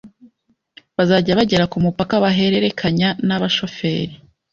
bazajya bagera ku mupaka bagahererekanya n’abashoferi